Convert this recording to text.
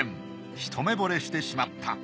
ひと目ぼれしてしまった。